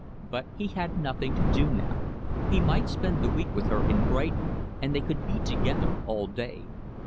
But he had nothing to do now; he might spend the week with her in Brighton, and they could be together all day.